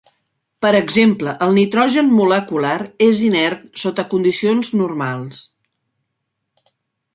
Per exemple el nitrogen molecular és inert sota condicions normals.